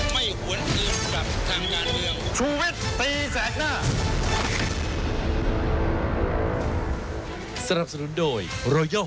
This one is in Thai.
ไม่หวนเกียรติกับทางญาณเดียว